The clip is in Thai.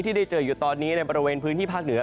ได้เจออยู่ตอนนี้ในบริเวณพื้นที่ภาคเหนือ